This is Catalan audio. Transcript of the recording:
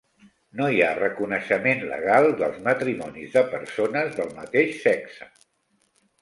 No hi ha reconeixement legal dels matrimonis de persones del mateix sexe.